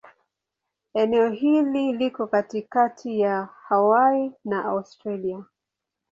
Eneo hili liko katikati ya Hawaii na Australia.